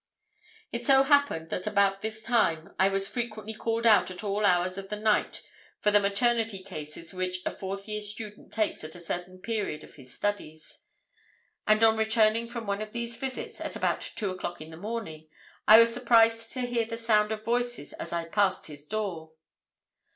"It so happened that about this time I was frequently called out at all hours of the night for the maternity cases which a fourth year student takes at a certain period of his studies, and on returning from one of these visits at about two o'clock in the morning I was surprised to hear the sound of voices as I passed his door.